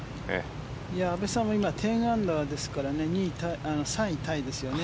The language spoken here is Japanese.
阿部さんも今１０アンダーですから３位タイですよね。